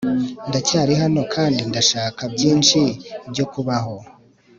ndacyari hano kandi ndashaka byinshi byo kubaho